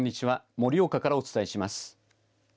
盛岡からお伝えします。